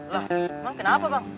lah emang kenapa bang